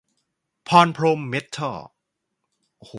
พรพรหมเม็ททอล